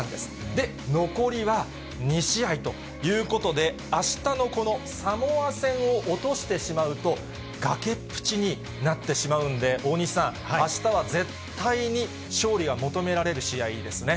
で、残りは２試合ということで、あしたのこのサモア戦を落としてしまうと、崖っぷちになってしまうんで、大西さん、あしたは絶対に勝利が求められる試合ですね。